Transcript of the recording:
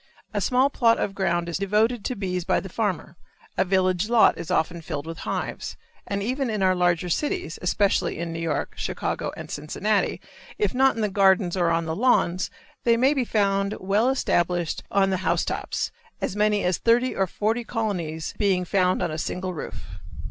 A small plot of ground is devoted to bees by the farmer, a village lot is often filled with hives, and even in our larger cities, especially in New York, Chicago, and Cincinnati, if not in the gardens or on the lawns, they may be found well established on the house tops, as many as thirty or forty colonies being found on a single roof.